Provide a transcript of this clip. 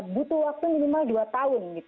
butuh waktu minimal dua tahun